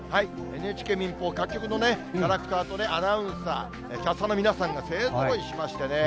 ＮＨＫ、民放、各局のキャラクターとアナウンサー、キャスターの皆さんが勢ぞろいしましてね。